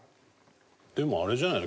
でもあれじゃないの？